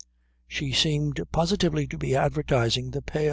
She seemed positively to be advertising the pale.